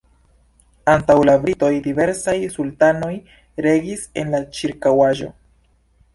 Antaŭ la britoj diversaj sultanoj regis en la ĉirkaŭaĵo.